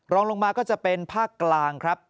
รองลงมาก็จะเป็นภาคกลางครับ